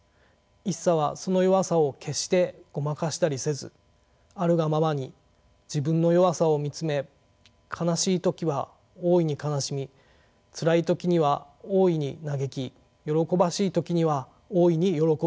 一茶はその弱さを決してごまかしたりせずあるがままに自分の弱さを見つめ悲しい時は大いに悲しみつらい時には大いに嘆き喜ばしい時には大いに喜びました。